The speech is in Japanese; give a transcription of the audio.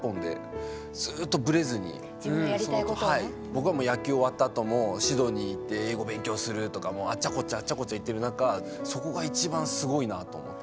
僕はもう野球終わったあともシドニー行って英語勉強するとかもあっちゃこっちゃあっちゃこっちゃ行ってる中そこが一番すごいなと思って。